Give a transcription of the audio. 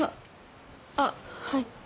ああっはい。